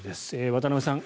渡邊さん